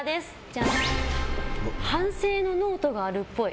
反省のノートがあるっぽい。